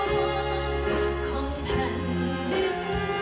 ในโลกของแผ่นเดือน